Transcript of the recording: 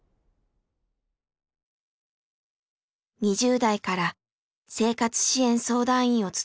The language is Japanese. ２０代から生活支援相談員を務めていた竹内さん。